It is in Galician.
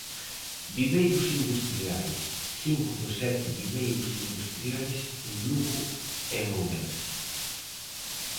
Viveiros industriais: cinco dos sete viveiros industrias, en Lugo e en Ourense.